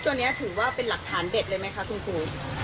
ตัวนี้ถือว่าเป็นหลักฐานเด็ดเลยไหมคะคุณครู